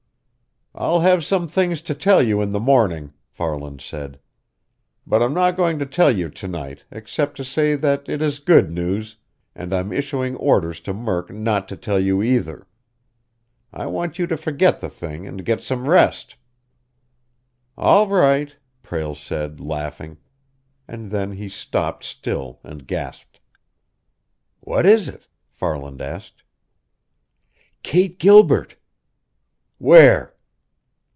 "I'll have some things to tell you in the morning," Farland said. "But I'm not going to tell you to night, except to say that it is good news, and I'm issuing orders to Murk not to tell you, either. I want you to forget the thing and get some rest." "All right," Prale said, laughing; and then he stopped still and gasped. "What is it?" Farland asked. "Kate Gilbert!" "Where?"